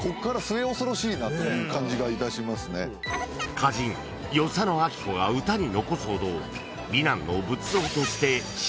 ［歌人与謝野晶子が歌に残すほど美男の仏像として知られている］